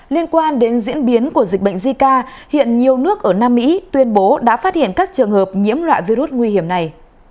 liên quan đến diễn biến của dịch bệnh zika hiện nhiều nước ở nam mỹ tuyên bố đã phát hiện các trường hợp nhiễm loại virus nguy hiểm này